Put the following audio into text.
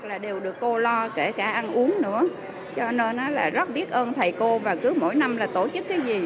là đều được cô lo kể cả ăn uống nữa cho nên là rất biết ơn thầy cô và cứ mỗi năm là tổ chức cái gì